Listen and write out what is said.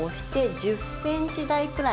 １０ｃｍぐらい。